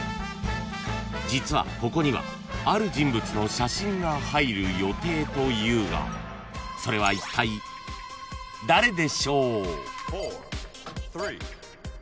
［実はここにはある人物の写真が入る予定というがそれはいったい誰でしょう？］